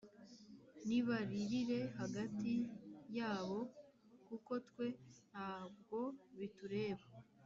nibaririre hagati yabo kuko twe ntabwo bitureba